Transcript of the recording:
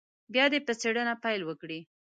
بیا دې په څېړنه پیل وکړي.